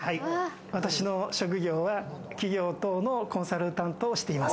私の職業は企業等のコンサルタントをしています。